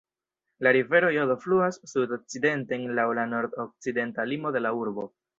La rivero Jodo fluas sud-okcidenten laŭ la nord-okcidenta limo de la urbo.